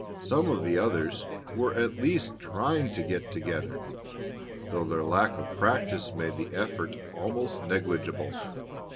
Some of the others were at least trying to get together, though their lack of practice made the effort almost negligible.